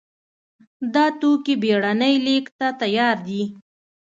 دا توکي بېړنۍ لېږد ته تیار دي.